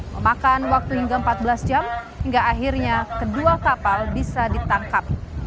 memakan waktu hingga empat belas jam hingga akhirnya kedua kapal bisa ditangkap